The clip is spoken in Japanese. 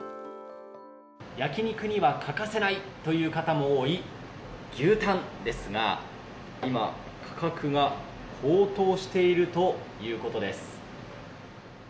焼き肉には欠かせないという方も多い牛タンですが、今、価格が高騰しているということです。